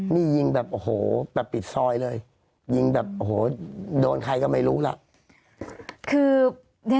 เน้นย้ำอีกครั้งหนึ่งว่า